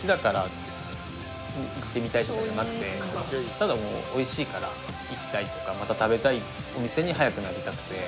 ただ美味しいから行きたいとかまた食べたいお店に早くなりたくて。